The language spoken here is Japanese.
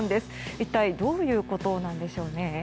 一体どういうことなんでしょうね？